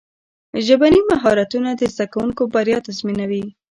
ژبني مهارتونه د زدهکوونکو بریا تضمینوي.